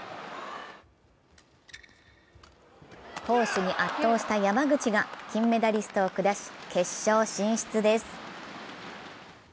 攻守に圧倒した山口が金メダリストを下し、決勝進出です。